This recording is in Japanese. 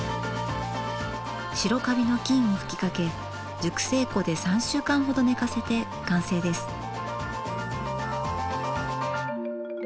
白カビの菌を吹きかけ熟成庫で３週間ほど寝かせて完成です。